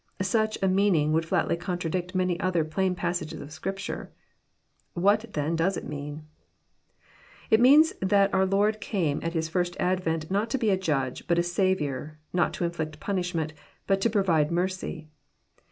Such a meaning would flatly contradict many other plain passages of Scripture. What, then, does It mean ? It means that our Lord came at His First Advent not to be a Judge, but a Saviour not to Inflict punishment, but to provide mercy.